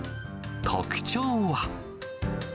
特徴は。